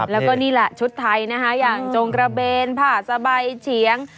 แล้วก็นี่แหละชุดไทยนะคะอย่างจงกระเบนผ้าสบายเฉียง